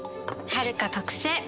はるか特製。